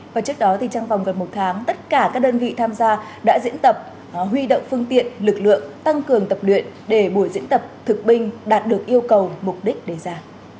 và trước đó thì trong vòng gần một tháng tất cả các đơn vị tham gia đã diễn tập huy động phương tiện lực lượng tăng cường tập luyện để buổi diễn tập thực binh đạt được yêu cầu mục đích đề ra